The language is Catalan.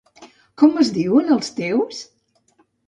Com es diuen els teus!?